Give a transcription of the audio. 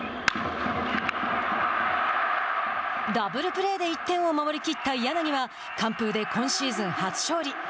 ダブルプレーで一点を守りきった柳は完封で今シーズン初勝利。